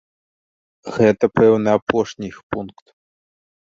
Гэта пэўна апошні іх пункт.